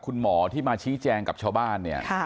คุณหมอถึงมาชี้แจงกับชาวบ้าน